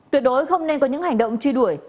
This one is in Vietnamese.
tuyệt đối không nên có những hành động truy đuổi